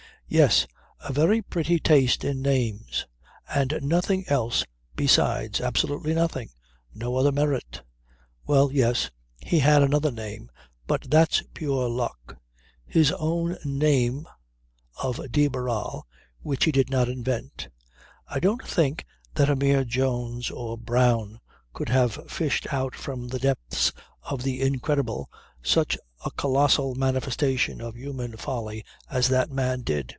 Yes, a very pretty taste in names; and nothing else besides absolutely nothing no other merit. Well yes. He had another name, but that's pure luck his own name of de Barral which he did not invent. I don't think that a mere Jones or Brown could have fished out from the depths of the Incredible such a colossal manifestation of human folly as that man did.